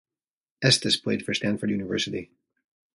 Estes played for Stanford University.